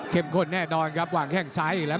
ข้นแน่นอนครับวางแข้งซ้ายอีกแล้ว